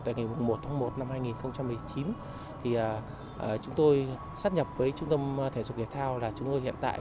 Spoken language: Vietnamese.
tại ngày một tháng một năm hai nghìn một mươi chín chúng tôi sắp nhập với trung tâm thể dục thể thao là chúng tôi hiện tại